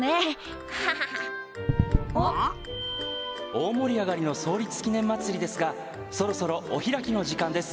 「大盛り上がりの創立記念まつりですがそろそろお開きの時間です。